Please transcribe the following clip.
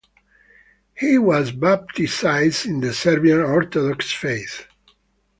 He was baptized in the Serbian Orthodox faith.